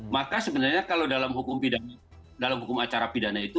maka sebenarnya kalau dalam hukum pidana dalam hukum acara pidana itu